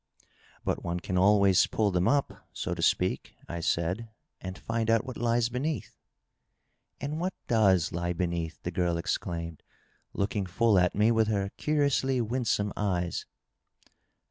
'^ But one can always pull them up, so to speak," I said, ^^ and find out what lies beneath," " And what doea lie beneath ?" the girl exclaimed, looking full at me with her curiously winsome eyes.